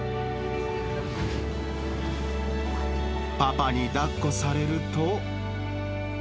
パパにだっこされると。